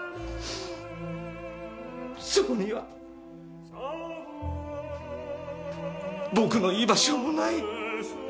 そこには僕の居場所もない。